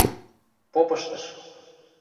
Попыштыш.